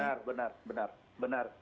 benar benar benar